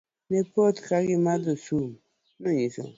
Ne poth ka gimadho sum.